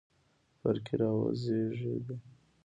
فرقې راوزېږېدې.